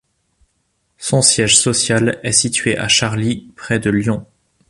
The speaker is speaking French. Son siège social est situé à Charly, près de Lyon.